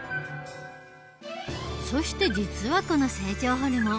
そして実はこの成長ホルモン